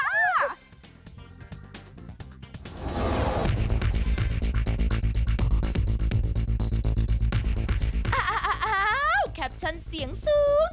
อ้าวแคปชั่นเสียงสูง